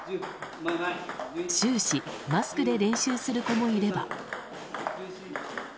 終始マスクで練習する子もいれば。